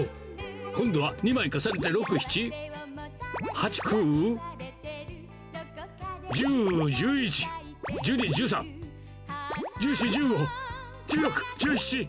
今度は２枚重ねて６、７、８、９、１０、１１、１２、１３、１４、１５、１６、１７。